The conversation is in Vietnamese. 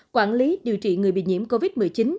quản lý điều trị người bị nhiễm covid một mươi chín